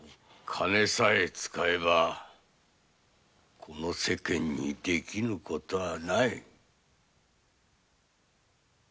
金さえ使えばこの世間にできぬ事はない。